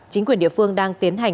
chính quyền địa phương đang tiến hành